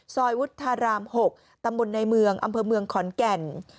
วุฒาราม๖ตำบลในเมืองอำเภอเมืองขอนแก่น